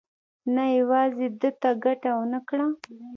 نه یوازې ده ته ګټه ونه کړه.